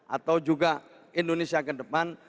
atau juga indonesia ke depan